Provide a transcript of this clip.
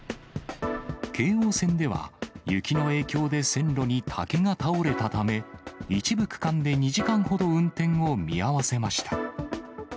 京王線では、雪の影響で線路に竹が倒れたため、一部区間で２時間ほど運転を見合わせました。